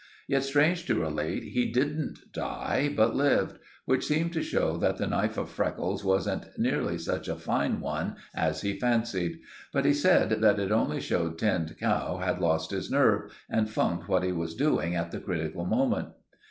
Yet, strange to relate, he didn't die, but lived; which seemed to show that the knife of Freckles wasn't nearly such a fine one as he fancied. But he said that it only showed Tinned Cow had lost his nerve, and funked what he was doing at the critical moment.